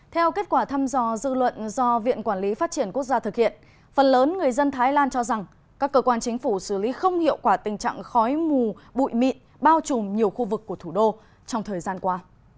theo kết quả thăm dò dư luận do viện quản lý phát triển quốc gia thực hiện phần lớn người dân thái lan cho rằng các cơ quan chính phủ xử lý không hiệu quả tình trạng khói mù bụi mịn bao trùm nhiều khu vực của thủ đô trong thời gian qua